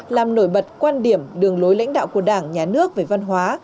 làm nổi bật quan điểm đường lối lãnh đạo của đảng nhà nước về văn hóa